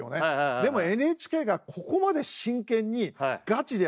でもＮＨＫがここまで真剣にガチでやる。